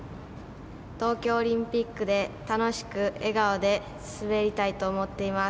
東京オリンピックで楽しく笑顔で滑りたいと思っています。